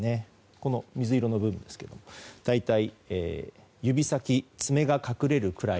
この水色の部分ですが大体指先、爪が隠れるくらい。